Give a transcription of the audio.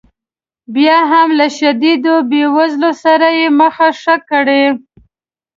بیا هم له شدیدې بې وزلۍ سره یې مخه ښه کړې.